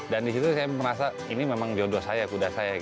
di situ saya merasa ini memang jodoh saya kuda saya